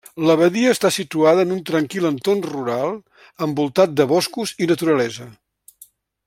L'abadia està situada en un tranquil entorn rural, envoltat de boscos i naturalesa.